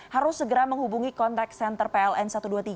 harus segera menghubungi kontak senter pln satu ratus dua puluh tiga